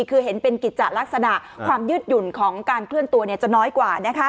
คือเห็นเป็นกิจจะลักษณะความยืดหยุ่นของการเคลื่อนตัวจะน้อยกว่า